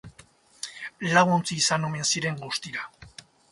Lau ontzi izan omen ziren guztira.